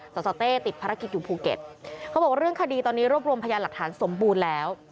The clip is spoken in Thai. สสเต้ติดภารกิจอยู่ภูเก็ตเขาบอกเรื่องคดีตอนนี้รวบรวมพยานหลักฐานสมบูรณ์แล้ว